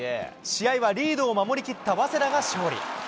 試合はリードを守りきった早稲田が勝利。